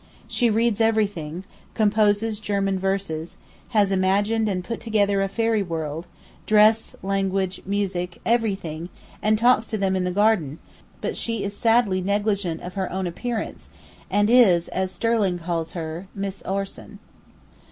She reads everything, composes German verses, has imagined and put together a fairy world, dress, language, music, everything, and talks to them in the garden; but she is sadly negligent of her own appearance, and is, as Sterling calls her, Miss Orson.